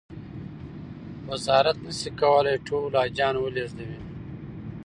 وزارت نه شي کولای ټول حاجیان و لېږدوي.